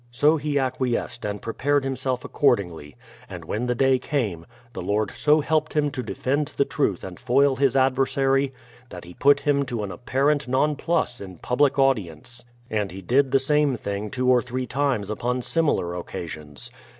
So he acquiesced and pre pared himself accordingly; and when the day came, the Lord so helped him to defend the truth and foil his adver sary, that he put him to an apparent nonplus in public audience. And he did the same thing two or three times upon similar occasions.